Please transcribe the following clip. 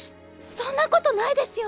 そんなことないですよ！